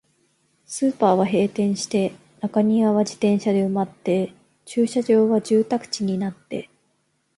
スーパーは閉店して、中庭は自転車で埋まって、駐車場は住宅地になって、